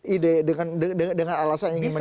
ide dengan alasan yang ingin menimba